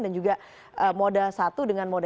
dan juga moda satu dengan moda dua